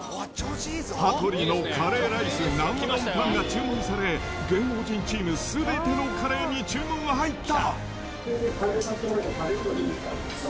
羽鳥のカレーライスナンうどんパンが注文され、芸能人チームすべてのカレーに注文が入った。